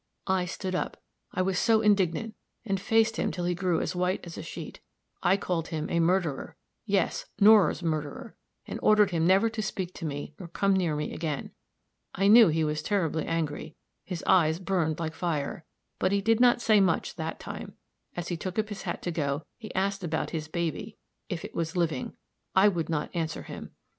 I stood up, I was so indignant, and faced him till he grew as white as a sheet. I called him a murderer yes, Nora's murderer and ordered him never to speak to me nor come near me again. I knew he was terribly angry; his eyes burned like fire; but he did not say much that time; as he took up his hat to go, he asked about his baby if it was living? I would not answer him.